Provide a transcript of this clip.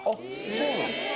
そうなんですか。